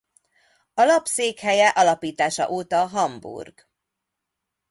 A lap székhelye alapítása óta Hamburg.